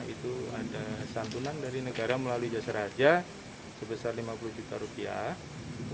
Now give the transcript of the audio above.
itu ada santunan dari negara melalui jasa raja sebesar lima puluh juta rupiah